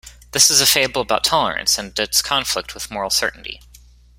This is a fable about tolerance, and its conflict with moral certainty.